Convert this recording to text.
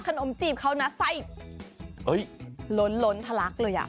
ขนมจีบเขาใส่ล้นทะลักเลย